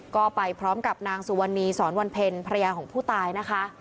ก็ไปพร้อมกับนางสุวรรณีสอนวันเพ็ญภรรยาของผู้ตายนะคะ